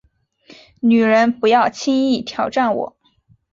女人，不要轻易挑战我